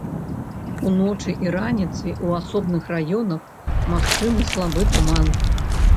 Уночы і раніцай у асобных раёнах магчымы слабы туман.